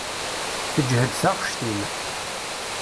Teǧhed taɣect-im.